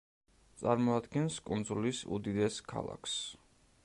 წარმოადგენს კუნძულის უდიდეს ქალაქს.